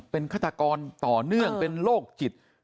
เป็นฆาตกรต่อเนื่องเป็นโรคจิต